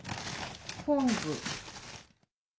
昆布。